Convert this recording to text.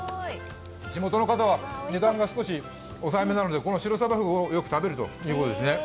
地元の方は値段が少し抑えめなので、このシロサバフグをよく召し上がるそうですね。